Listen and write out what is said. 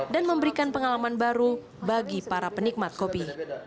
dan memberikan pengalaman baru bagi para penikmat kopi